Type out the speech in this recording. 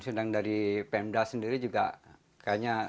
sedang dari pemda sendiri juga kayaknya